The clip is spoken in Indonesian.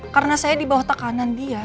karena saya di bawah tekanan dia